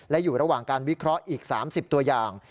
และอยู่ระหว่างการวิเคราะห์อีก๓๐ตัวอย่าง